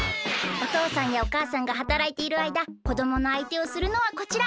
おとうさんやおかあさんがはたらいているあいだこどものあいてをするのはこちら！